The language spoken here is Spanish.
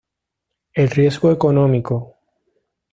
El Riesgo Económico.